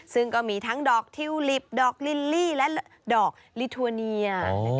ซึ่งก็มีทั้งดอกทิวลิปดอกลิลลี่และดอกลิทัวเนีย